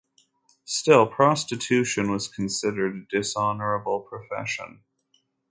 Still, prostitution was considered a dishonorable profession.